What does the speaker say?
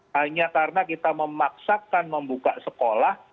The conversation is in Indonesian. hanya karena kita memaksakan membuka sekolah